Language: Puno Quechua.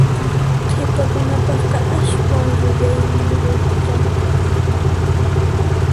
Qhipakunapaqqa aswan yuyayniyuq llamk'asaqku.